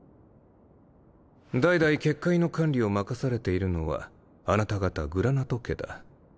代々結界の管理を任されているのはあなた方グラナト家だ。